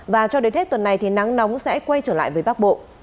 và cho đến hết tuần này thì nắng nóng sẽ quay trở lại với bắc bộ